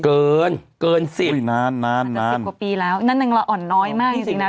เกินเกินสิบอุ้ยนานนานนานสิบกว่าปีแล้วนั่นหนึ่งเราอ่อนน้อยมากจริงจริงแล้ว